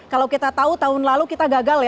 kalau kita tahu tahun lalu kita gagal ya